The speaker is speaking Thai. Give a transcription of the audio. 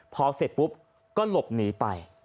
พอเสร็จปุ๊บก็หลบหนีไป